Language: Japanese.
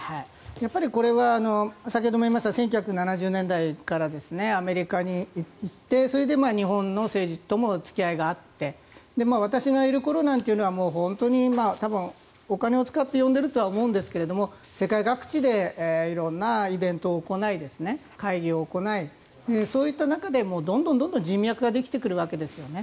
やっぱりこれは先ほども言いましたが１９７０年代からアメリカに行ってそれで日本の政治とも付き合いがあって私がいる頃なんていうのは本当に多分、お金を使って呼んでいるとは思いますが世界各地で色んなイベントを行い会議を行い、そういった中でどんどん人脈ができてくるわけですね。